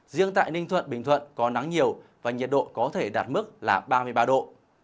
riêng tại ninh thuận bình thuận có nắng nhiều và nhiệt độ có thể đạt mức là ba mươi ba độ